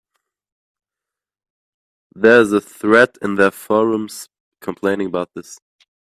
There's a thread in their forums complaining about this.